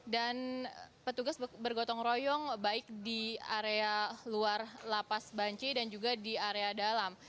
petugas bergotong royong baik di area luar lapas banci dan juga di area dalam